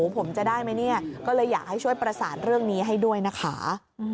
ผมจะได้ไหมเนี่ยก็เลยอยากให้ช่วยประสานเรื่องนี้ให้ด้วยนะคะ